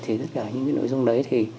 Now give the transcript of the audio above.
thì tất cả những cái nội dung đấy thì